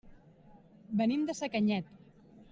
Venim de Sacanyet.